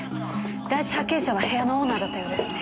第一発見者は部屋のオーナーだったようですね。